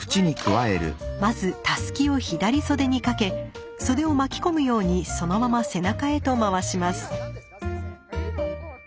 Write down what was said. まずたすきを左袖にかけ袖を巻き込むようにそのまま背中へと回します。